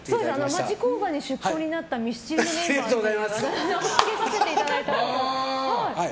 町工場に出向になったミスチルのメンバーってつけさせていただいて。